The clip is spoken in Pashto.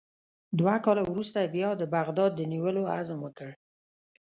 دوه کاله وروسته یې بیا د بغداد د نیولو عزم وکړ.